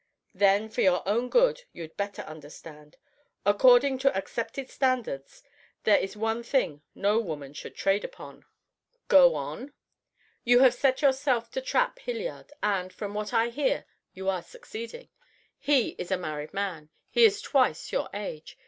"Then, for your own good, you'd better understand. According to accepted standards, there is one thing no woman should trade upon." "Go on!" "You have set yourself to trap Hilliard, and, from what I hear, you are succeeding. He is a married man. He is twice your age.